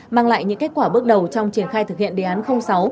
mang lại những kết quả bước đầu trong triển khai thực hiện đề án sáu